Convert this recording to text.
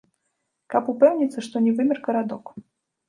Каб упэўніцца, што не вымер гарадок.